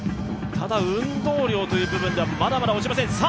ただ、運動量という部分ではまだまだ落ちません。